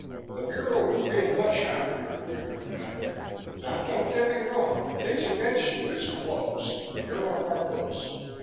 The Bureau would feel much happier if you could remember. Now don't get me wrong. The case against you is closed. You're off our books.